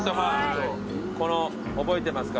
覚えてますか。